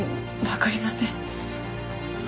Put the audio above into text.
わかりません。